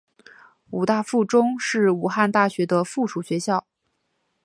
武大附中是武汉大学的附属学校。